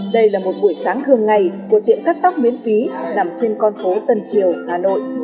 đây là một buổi sáng thường ngày của tiệm cắt tóc miễn phí nằm trên con phố tân triều hà nội